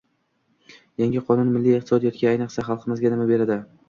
Yangi qonun milliy iqtisodiyotga, ayniqsa, xalqimizga nima beradi?